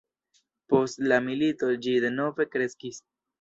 Post la milito ĝi denove kreskis.